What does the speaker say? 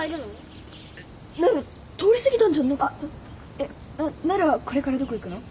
えっななるはこれからどこ行くの？